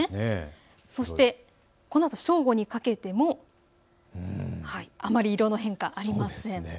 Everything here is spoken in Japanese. そしてこのあと正午にかけてもあまり色の変化がありません。